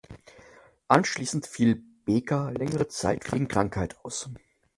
Anschliessend fiel Bega längere Zeit wegen Krankheit aus.